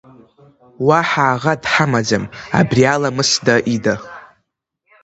Уаҳа аӷа дҳамаӡам, абри аламысда ида.